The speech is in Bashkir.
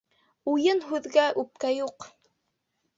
Уйын һүҙгә үпкә юҡ.